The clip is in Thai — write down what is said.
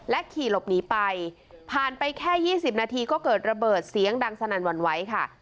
ขี่หลบหนีไปผ่านไปแค่๒๐นาทีก็เกิดระเบิดเสียงดังสนั่นหวั่นไหวค่ะ